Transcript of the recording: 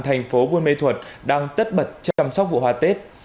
thành phố buôn mê thuật đang tất bật chăm sóc vụ hoa tết